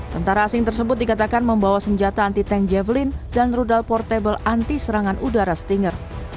tentara asing tersebut dikatakan membawa senjata anti tank jevelyn dan rudal portable anti serangan udara stinger